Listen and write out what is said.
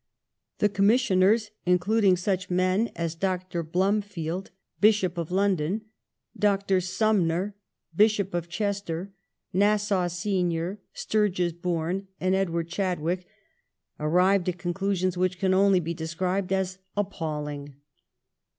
The Commissioners, in cluding such men as Dr. Blomfield, Bishop of London, Dr. Sumner, Bishop of Chester, Nassau Senior, Sturges Bourne, and Edwin Chad wick, arrived at conclusions which can only be described as appalling.